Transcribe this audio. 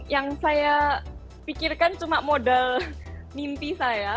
yang saya pikirkan cuma modal mimpi saya